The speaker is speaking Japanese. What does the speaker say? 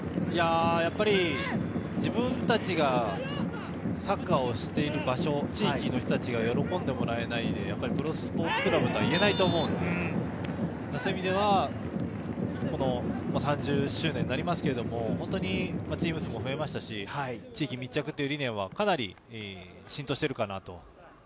やっぱり自分たちがサッカーをしている場所、地域の人たちが喜んでもらえないって、やっぱりプロスポーツクラブとはいえないと思うので、そういう意味では３０周年になりますけれど、チーム数も増えましたし、地域密着という理念はかなり浸透してるかなと。